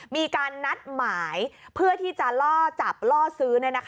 มีการนัดหมายเพื่อที่จะล่อจับล่อซื้อ